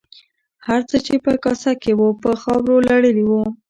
هر څه چې په کاسه کې وو په خاورو لړلي وو.